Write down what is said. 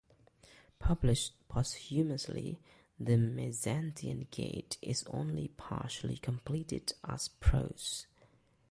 Published posthumously, "The Mezentian Gate" is only partially completed as prose.